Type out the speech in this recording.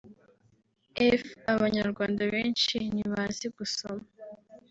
f) Abanyarwanda benshi ntibazi gusoma